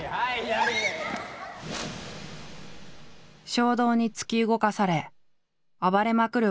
衝動に突き動かされ暴れまくる